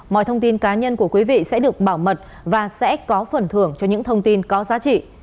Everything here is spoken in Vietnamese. mọi thông tin cá nhân của quý vị sẽ được bảo mật và sẽ có phần thưởng cho những thông tin có giá trị